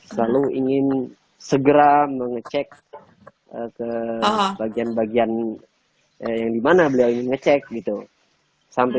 selalu ingin segera mengecek ke bagian bagian yang dimana beliau ingin ngecek gitu sampai